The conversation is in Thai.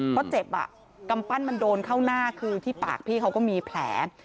เพราะเจ็บอ่ะกำปั้นมันโดนเข้าหน้าคือที่ปากพี่เขาก็มีแผล